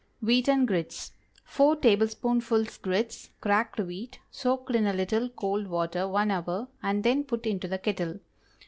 WHEATEN GRITS. ✠ 4 tablespoonfuls grits (cracked wheat) soaked in a little cold water one hour, and then put into the kettle.